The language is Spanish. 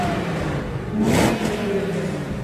Nunca tuvieron hijos.